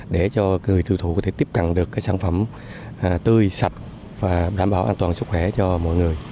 để cho người tiêu thụ có thể tiếp cận được sản phẩm tươi sạch và đảm bảo an toàn sức khỏe cho mọi người